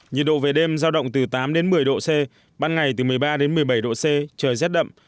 nhiệt độ về đêm giao động từ tám đến một mươi độ c ban ngày từ một mươi ba đến một mươi bảy độ c trời rét đậm